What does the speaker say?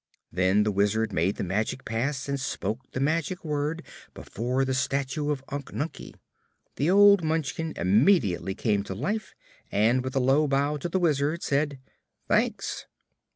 Then the Wizard made the magic pass and spoke the magic word before the statue of Unc Nunkie. The old Munchkin immediately came to life and with a low bow to the Wizard said: "Thanks."